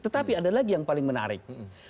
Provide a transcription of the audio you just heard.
tetapi ada lagi yang paling menarik